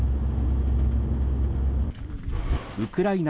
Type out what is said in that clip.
ウクライナ